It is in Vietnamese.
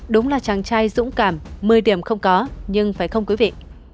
đúng là chàng trai dũng cảm một mươi điểm không có nhưng phải không quý vị